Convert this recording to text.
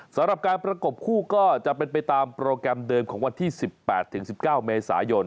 สำหรับการประกบคู่ก็จะเป็นไปตามโปรแกรมเดิมของวันที่๑๘๑๙เมษายน